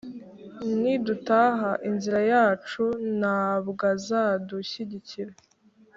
Ni tudata inzira yacu, Ntabw'azadushyikira.